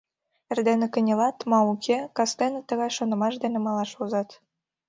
Эрдене кынелат ма уке — кастене тыгай шонымаш дене малаш возат.